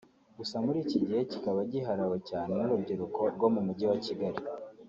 gusa muri iki gihe kikaba giharawe cyane n’urubyiruko rwo mu mujyi wa Kigali